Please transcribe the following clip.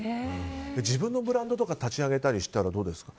自分のブランドとか立ち上げたりしたらどうですか？